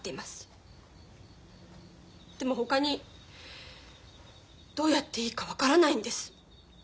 でもほかにどうやっていいか分からないんです。